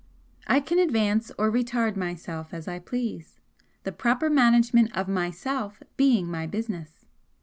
I can advance or retard myself as I please the proper management of Myself being my business.